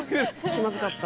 気まずかった。